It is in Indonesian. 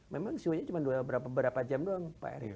memang siwanya cuma beberapa jam doang pak erick